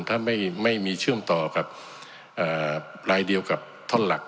ท่านไม่มีเชื่อมต่อกับรายเดียวกับท่อนหลัก